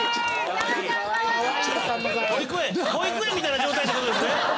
保育園みたいな状態ってことですね